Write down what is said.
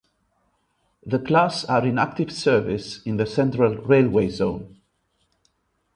The class are in active service in the Central Railway zone.